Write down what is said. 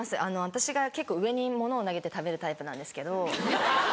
私が結構上に物を投げて食べるタイプなんですけど。